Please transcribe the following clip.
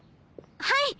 はい！